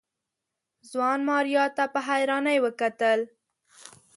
ځوان ماريا ته په حيرانۍ وکتل.